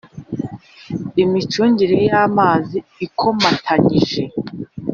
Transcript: imicungire y amazi ikomatanyije